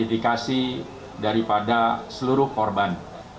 identifikasi daripada seluruh korban